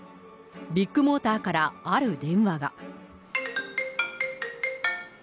ビッグモーターからある電話が。